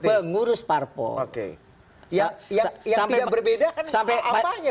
yang tidak berbeda kan apa saja bang patra